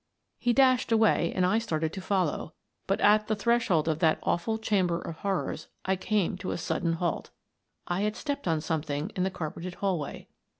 He dashed away and I started to follow, but at the threshold of that awful chamber of horrors I came to a sudden halt. I had stepped on something in the carpeted hallway.